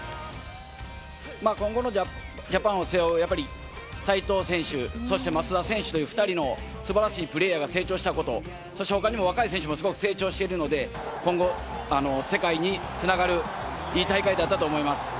今後のジャパンを背負う、やっぱり齋藤選手、そして松田選手という、２人のすばらしいプレーヤーが成長したこと、そして、ほかにも若い選手もすごく成長しているので、今後、世界につながる、いい大会だったと思います。